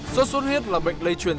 sốt suốt huyết là bệnh lây truyền